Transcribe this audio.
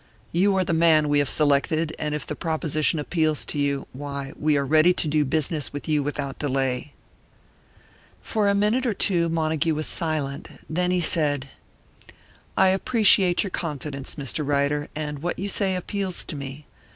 You are the man we have selected, and if the proposition appeals to you, why, we are ready to do business with you without delay." For a minute or two Montague was silent; then he said: "I appreciate your confidence, Mr. Ryder, and what you say appeals to me.